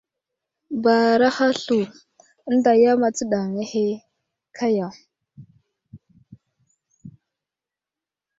Baaraha slu ənta yam astəɗaŋŋa ahe kaya !